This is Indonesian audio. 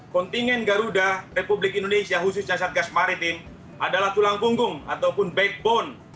kontingen garuda republik indonesia khususnya satgas maritim adalah tulang punggung ataupun backbone